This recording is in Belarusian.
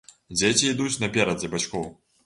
Дзеці ідуць наперадзе бацькоў.